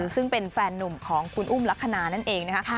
ซึ่งเป็นแฟนหนุ่มของคุณอุ้มลักษณะนั่นเองนะคะ